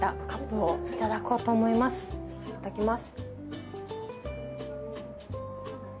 いただきます。